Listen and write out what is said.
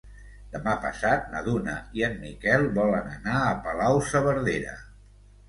Demà passat na Duna i en Miquel volen anar a Palau-saverdera.